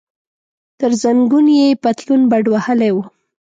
تر زنګنو یې پتلون بډ وهلی و.